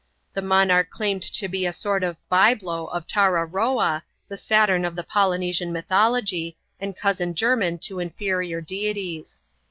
The monarch claimed to be a sort of by blow of Tararroa, the Saturn of the Poly nesian mythology, and cousin german to inferior deities.